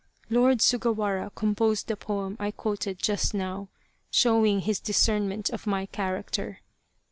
Lord Sugawara composed the poem I quoted just now, showing his discernment of my character.